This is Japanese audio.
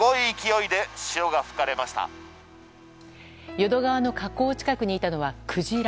淀川の河口近くにいたのはクジラ。